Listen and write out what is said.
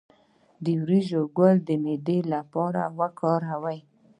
د وریجو ګل د معدې لپاره وکاروئ